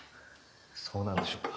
そうなんでしょうか。